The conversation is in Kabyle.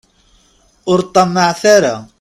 Ur ṭṭamaɛet ara.